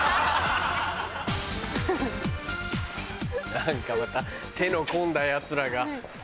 何かまた手の込んだヤツらが。